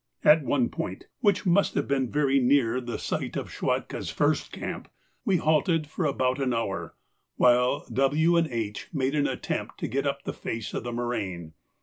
At one point, which must have been very near the site of Schwatka's first camp, we halted for about an hour while W. and H. made an attempt to get up the face of the moraine.